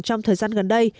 trong thời gian gần đây